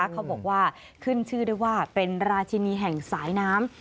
เขาบอกว่าขึ้นชื่อได้ว่าเป็นราชินีแห่งสายน้ำ